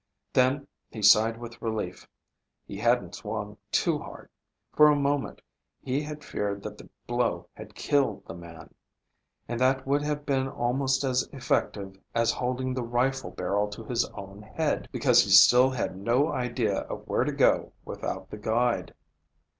Then he sighed with relief. He hadn't swung too hard. For a moment he had feared that the blow had killed the man. And that would have been almost as effective as holding the rifle barrel to his own head, because he still had no idea of where to go without the guide.